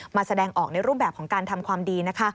แสดงออกในรูปแบบของการทำความดีนะคะ